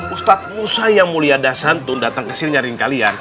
ustadz musa yang mulia dasantun datang kesini nyariin kalian